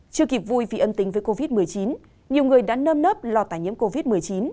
chưa kịp vui vì âm tính với covid một mươi chín nhiều người đã nơm nớp lo tài nhiễm covid một mươi chín